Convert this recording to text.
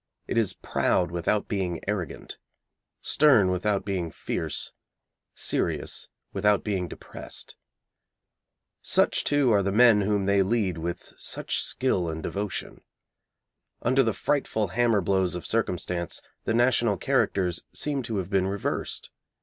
It is proud without being arrogant, stern without being fierce, serious without being depressed. Such, too, are the men whom they lead with such skill and devotion. Under the frightful hammer blows of circumstance, the national characters seem to have been reversed.